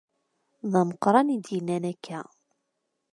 D Meqqran i d-yennan akka.